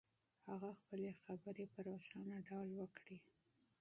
هغه خپلې خبرې په روښانه ډول وکړې.